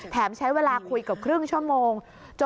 ใช้เวลาคุยเกือบครึ่งชั่วโมง